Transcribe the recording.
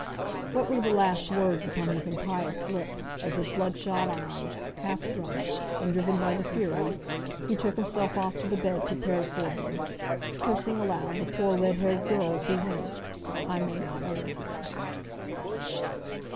What were the last words upon his impious lips, as with bloodshot eyes, half drunk, and driven by the Fury, he took himself off to the bed prepared for him, cursing aloud the poor red haired girl as he went, I may not utter here.